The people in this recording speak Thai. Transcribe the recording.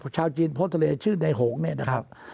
ชาวจีนโพทะเลชื่อในหงเนี่ยนะครับ